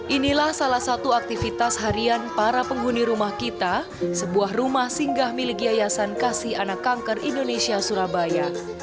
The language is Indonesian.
inilah salah satu aktivitas harian para penghuni rumah kita sebuah rumah singgah milik yayasan kasih anak kanker indonesia surabaya